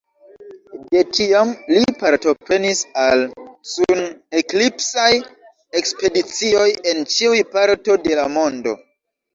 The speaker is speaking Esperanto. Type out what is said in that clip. De tiam, li partoprenis al sun-eklipsaj ekspedicioj en ĉiuj parto de la mondo.